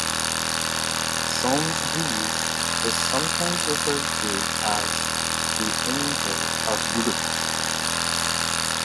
Sanz Briz is sometimes referred to as "the angel of Budapest".